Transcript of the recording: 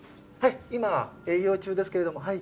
はい今営業中ですけれども。